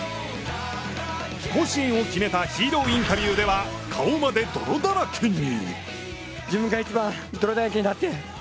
甲子園を決めたヒーローインタビューでは顔まで泥だらけに。